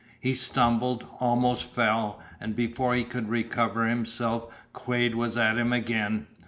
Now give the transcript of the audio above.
He stumbled, almost fell, and before he could recover himself Quade was at him again.